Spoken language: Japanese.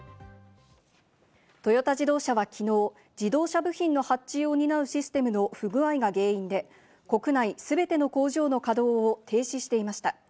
トヨタ自動車はきのう、自動車部品の発注を担うシステムの不具合が原因で、国内全ての工場の稼働を停止していました。